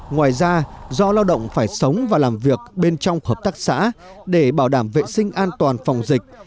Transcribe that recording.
ngoài ra do lao động phải sống và làm việc bên trong hợp tác xã để bảo đảm vệ sinh an toàn phòng dịch